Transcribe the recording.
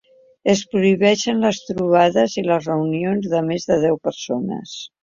Es prohibeixen les trobades i les reunions de més de deu persones.